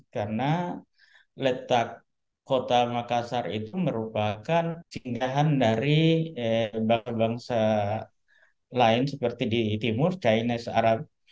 karena letak kota makassar itu merupakan singgahan dari bangsa bangsa lain seperti di timur chinese arab